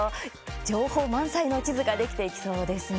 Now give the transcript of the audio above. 情報満載の地図ができていきそうですね。